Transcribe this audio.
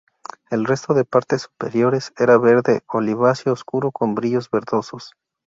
El resto de partes superiores era verde oliváceo oscuro con brillos verdosos.